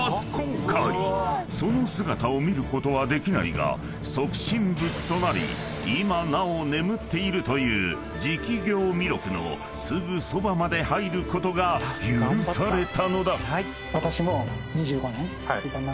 ［その姿を見ることはできないが即身仏となり今なお眠っているという食行身禄のすぐそばまで入ることが許されたのだ］